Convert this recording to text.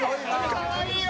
「かわいいよ！」